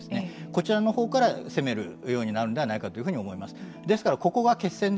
こちらのほうから攻めるようになるのではないかと思います。